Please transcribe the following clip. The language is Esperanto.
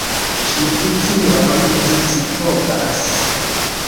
Ĉu vi tion scipovas?